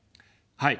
はい。